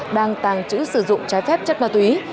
đang tàng trữ sử dụng trái phép chất ma túy